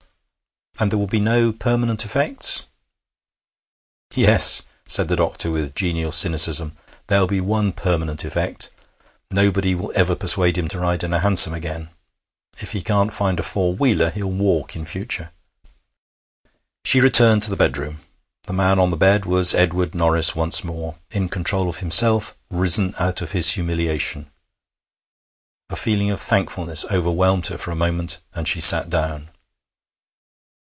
'And there will be no permanent effects?' 'Yes,' said the doctor, with genial cynicism. 'There'll be one permanent effect. Nobody will ever persuade him to ride in a hansom again. If he can't find a four wheeler, he'll walk in future.' She returned to the bedroom. The man on the bed was Edward Norris once more, in control of himself, risen out of his humiliation. A feeling of thankfulness overwhelmed her for a moment, and she sat down.